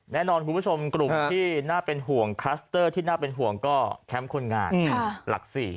แน่นอนคุณผู้ชมกลุ่มที่น่าเป็นห่วงคลัสเตอร์ที่น่าเป็นห่วงก็แคมป์คนงานหลัก๔